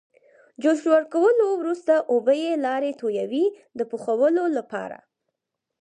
جوش ورکولو وروسته اوبه یې لرې تویوي د پخولو لپاره.